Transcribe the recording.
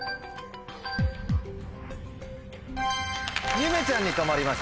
ゆめちゃんに止りました。